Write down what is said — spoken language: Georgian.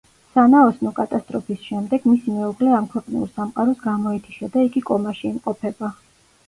სანაოსნო კატასტროფის შემდეგ, მისი მეუღლე ამქვეყნიურ სამყაროს გამოეთიშა და იგი კომაში იმყოფება.